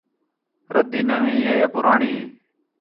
ردّی نوی ہِے یا پُراݨی